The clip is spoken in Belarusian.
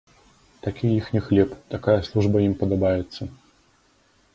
Такі іхні хлеб, такая служба ім падабаецца.